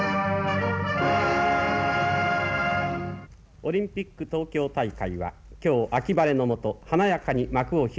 オリンピック東京大会は今日秋晴れのもとはなやかに幕を開きました。